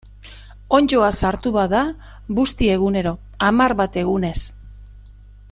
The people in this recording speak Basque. Onddoa sartu bada, busti egunero, hamar bat egunez.